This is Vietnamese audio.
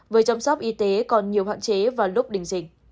với chăm sóc y tế còn nhiều hạn chế vào lúc đình dịch